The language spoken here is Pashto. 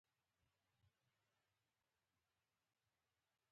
خوب